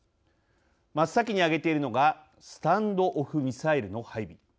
真っ先に挙げているのがスタンド・オフ・ミサイルの配備。